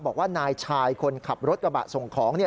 บอกว่านายชายคนขับรถกระบะส่งของ